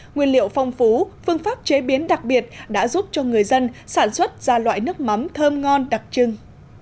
nguyên liệu phong phú phương pháp chế biến đặc biệt đã giúp cho người dân sản xuất ra loại nước mắm thơm ngon đặc trưng